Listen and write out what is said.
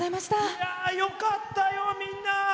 よかったよ、みんな！